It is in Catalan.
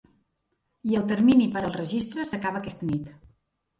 I el termini per al registre s’acaba aquesta nit.